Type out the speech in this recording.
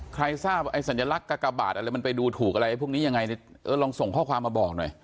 ใครทราบไอ้สัญลักษณ์กากบาทอะไรมันไปดูถูกอะไรพวกนี้ยังไงเออลองส่งข้อความมาบอกหน่อย